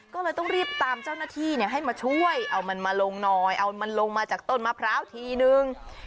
ก็เลยต้องรีบตามเจ้าหน้าที่ให้มาช่วยเอามันมาลงหน่อยเอามันลงมาจากต้นมะพร้าวทีนึง